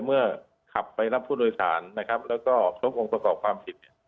เมื่อขับไปรับผู้โดยสารนะครับแล้วก็พบองค์ประกอบความผิดเนี่ย